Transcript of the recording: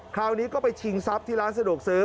คราวนี้ก็ไปชิงทรัพย์ที่ร้านสะดวกซื้อ